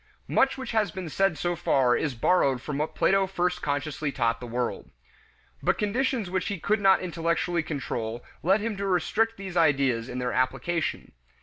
Much which has been said so far is borrowed from what Plato first consciously taught the world. But conditions which he could not intellectually control led him to restrict these ideas in their application.